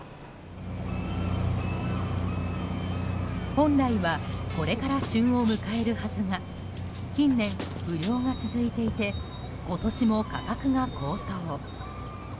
本来はこれから旬を迎えるはずが近年、不漁が続いていて今年も価格が高騰。